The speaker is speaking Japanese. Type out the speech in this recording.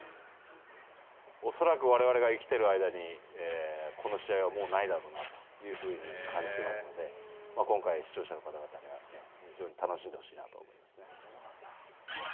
恐らくわれわれが生きてる間にこの試合はもうないだろうなというふうに感じていますので、今回、視聴者の方々には非常に楽しんでほしいなと思いますね。